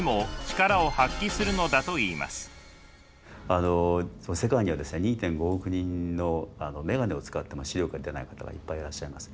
あの世界にはですね２．５億人の眼鏡を使っても視力が出ない方がいっぱいいらっしゃいます。